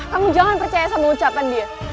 kamu jangan percaya sama ucapan dia